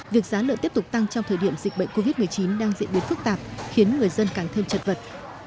việc giá lợn tiếp tục tăng trong thời điểm dịch bệnh covid một mươi chín đang diễn biến phức tạp khiến người dân càng thêm chật vật